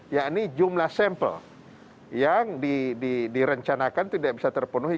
ya ini jumlah sampel yang direncanakan tidak bisa terpenuhi